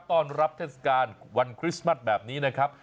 ตอบรับนะครับเทศกาลวันคริสมาตย์แบบนี้นะครับ